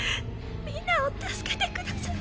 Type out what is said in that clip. みんなを助けてください。